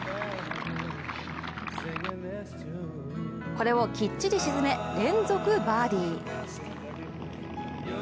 これをきっちり沈め、連続バーディー。